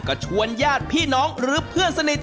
ก็ชวนญาติพี่น้องหรือเพื่อนสนิท